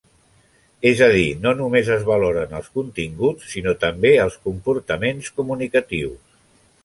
És a dir, no només es valoren els continguts sinó també els comportaments comunicatius.